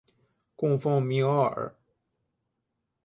供奉弥额尔。